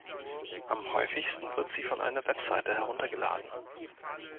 Am häufigsten wird sie von einer Website heruntergeladen.